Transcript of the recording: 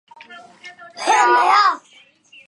长崎县长崎市出身。